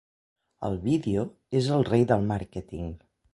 El vídeo és el rei del màrqueting.